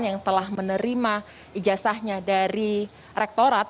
yang telah menerima ijazahnya dari rektorat